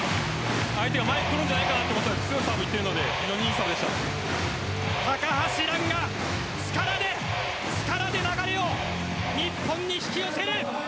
相手が前にくるんじゃないかって思ったら強くいってるので高橋藍が力で、流れを日本に引き寄せる。